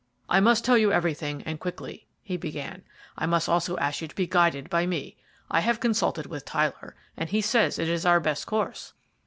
"I must tell you everything and quickly," he began, "and I must also ask you to be guided by me. I have consulted with Tyler, and he says it is our best course."